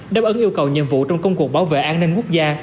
đáp ứng yêu cầu nhiệm vụ trong công cuộc bảo vệ an ninh quốc gia